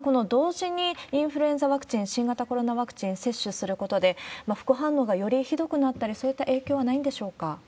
森内さん、この同時にインフルエンザワクチン、新型コロナワクチン接種することで、副反応がよりひどくなったり、そういった影響はないんでしょうか？